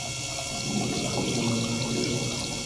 Es uno de mis recuerdos más preciados.